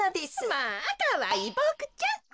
まあかわいいボクちゃん。